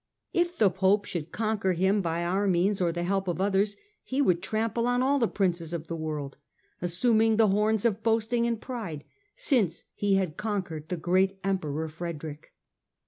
If the Pope should conquer him by our means, or the help of others, he would trample on all the Princes of the world, assuming the horns of boasting and pride, since he had conquered the great Emperor Frederick."